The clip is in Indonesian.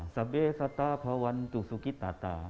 sabe sata bhavantu sukhi tata